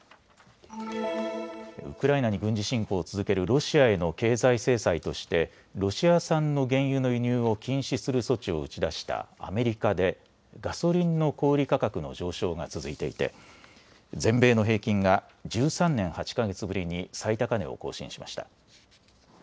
ウクライナに軍事侵攻を続けるロシアへの経済制裁としてロシア産の原油の輸入を禁止する措置を打ち出したアメリカでガソリンの小売価格の上昇が続いていて全米の平均が１３年８か月ぶりに最高値を更新しました。